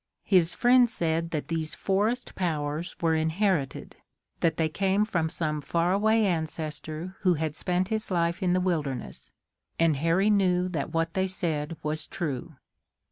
His friends said that these forest powers were inherited, that they came from some far away ancestor who had spent his life in the wilderness, and Harry knew that what they said was true.